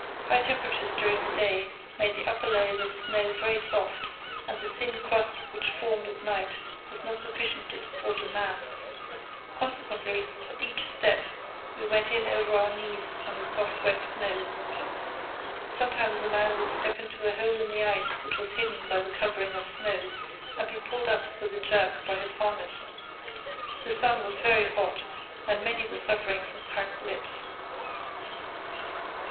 High temperatures during the day made the upper layers of snow very soft, and the thin crust which formed at night was not sufficient to support a man. Consequently, at each step we went in over our knees in the soft wet snow. Sometimes a man would step into a hole in the ice which was hidden by the covering of snow, and be pulled up with a jerk by his harness. The sun was very hot and many were suffering from cracked lips.